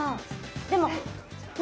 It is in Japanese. でもね？